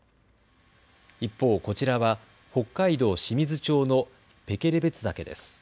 一方、こちらは北海道清水町のペケレベツ岳です。